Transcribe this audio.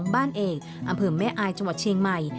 บ้านเอกอำเภอแม่อายจังหวัดเชียงใหม่